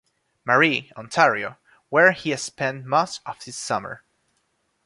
Marie, Ontario, where he spends much of his summer.